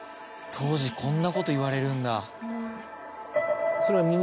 当時こんなこと言われるんだ。